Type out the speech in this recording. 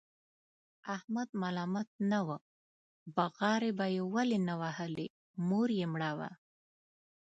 احمد ملامت نه و، بغارې به یې ولې نه وهلې؛ مور یې مړه وه.